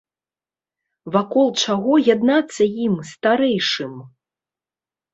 Вакол чаго яднацца ім, старэйшым?